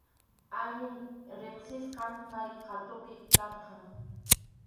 Allin riqsisqam kay qhatupi karqan.